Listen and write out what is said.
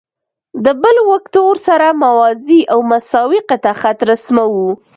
د بل وکتور سره موازي او مساوي قطعه خط رسموو.